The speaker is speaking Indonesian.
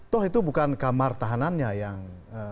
toh itu bukan kamar tahanannya yang